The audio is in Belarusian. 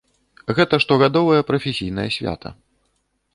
Гэта штогадовае прафесійнае свята.